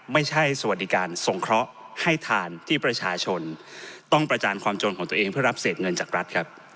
สวัสดีการทรงเคราะห์ให้ทานที่ประชาชนต้องประจานความจนของตัวเองเพื่อรับเศษเงินจากรัฐครับ